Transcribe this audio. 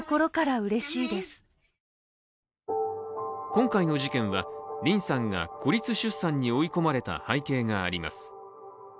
今回の事件は、リンさんが孤立出産に追い込まれた背景があります。